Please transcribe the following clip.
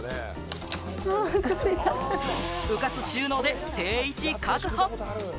浮かす収納で定位置確保。